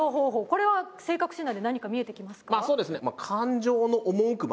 これは性格診断で何か見えてきますか？